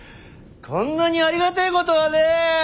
こんなにありがてえことはねえ！